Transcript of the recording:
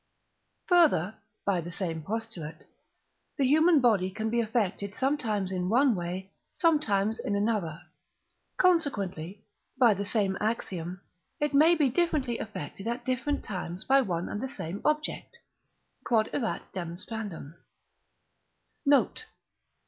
Further (by the same Post.) the human body can be affected sometimes in one way, sometimes in another; consequently (by the same Axiom) it may be differently affected at different times by one and the same object. Q.E.D. Note.